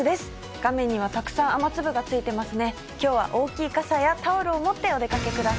画面にはたくさん雨粒がついてますね。